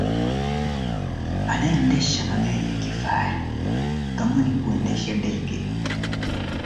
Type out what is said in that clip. dawa wanalolitaka wao kumwachia litakapolipwa na klabu hiyo ya lii